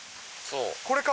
これか。